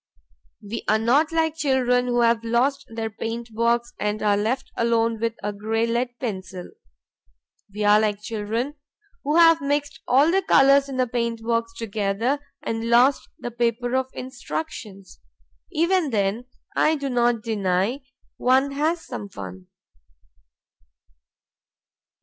We are not like children who have lost their paint box and are left alone with a gray lead pencil. We are like children who have mixed all the colors in the paint box together and lost the paper of instructions. Even then (I do not deny) one has some fun.